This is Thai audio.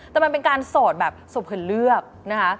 แต่มันเป็นการโสดแบบสุดผืนเลือกนะคะ